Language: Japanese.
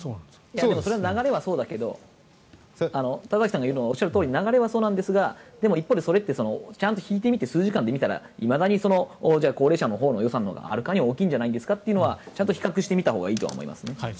流れはそうだけど田崎さんが言うのはおっしゃるとおり流れはそうですが一方でちゃんと引いて見て数字感で見たら、いまだに高齢者のほうの予算のほうがはるかに大きいのではというのは比較してみたほうがいいと思います。